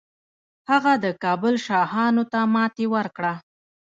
هغه د کابل شاهانو ته ماتې ورکړه